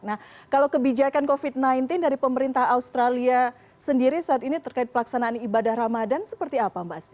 nah kalau kebijakan covid sembilan belas dari pemerintah australia sendiri saat ini terkait pelaksanaan ibadah ramadan seperti apa mbak asti